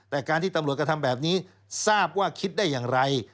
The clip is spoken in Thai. แต่การที่ตำรวจกระทำแบบนี้ทราบว่าคิดได้อย่างไร